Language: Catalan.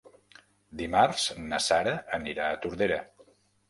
Dimarts na Sara anirà a Tordera.